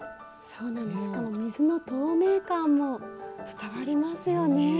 そうなんですしかも水の透明感も伝わりますよね。